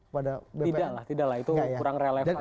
tidak lah tidak lah itu kurang relevan